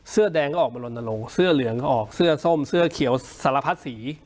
เสื้อแดงก็ออกมาลนลงเสื้อเหลืองก็ออกเสื้อส้มเสื้อเขียวสารพัดสี